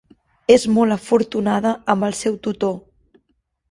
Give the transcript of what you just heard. És molt afortunada amb el seu tutor.